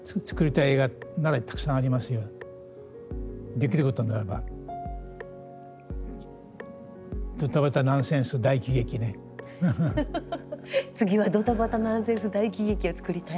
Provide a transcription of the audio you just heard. できることならば次はドタバタナンセンス大喜劇をつくりたい？